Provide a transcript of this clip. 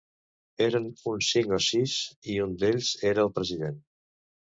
Eren uns cinc o sis i un d'ells era el president.